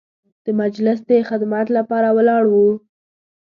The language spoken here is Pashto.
د مجلس د خدمت لپاره ولاړ وو.